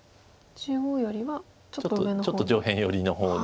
中央よりはちょっと上の方。